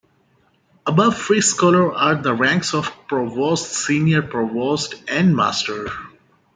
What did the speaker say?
Above Free Scholar are the ranks of Provost, Senior Provost, and Master.